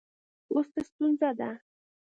اوس څه ستونزه ده